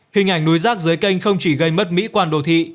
hình ảnh núi rác dưới kênh không chỉ gây mất mỹ quan đồ thị